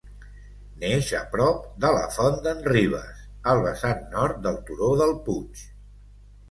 Neix a prop de la Font d'en Ribes, al vessant Nord del turó del Puig.